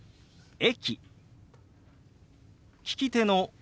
「駅」。